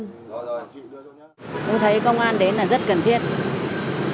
tôi thấy công an đến là rất cần thiết